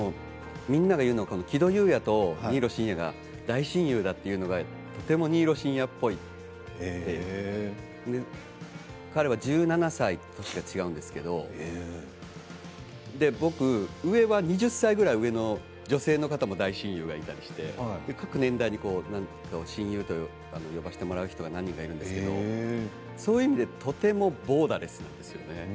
みんなが言うのが木戸邑弥と新納慎也が大親友というのがとても新納慎也っぽいって彼は１７歳年が違うんですけど僕、上は２０歳くらい上の女性の方で大親友がいて各年代で親友と呼ばせてもらう人が何人かいるんですけどそういう意味でとてもボーダーレスなんですよね。